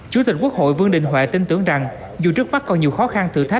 chủ tịch quốc hội vương đình huệ tin tưởng rằng dù trước mắt còn nhiều khó khăn